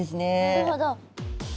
なるほど。